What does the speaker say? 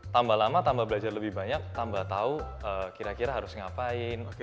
tambah lama tambah belajar lebih banyak tambah tahu kira kira harus ngapain